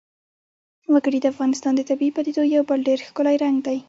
وګړي د افغانستان د طبیعي پدیدو یو بل ډېر ښکلی رنګ دی.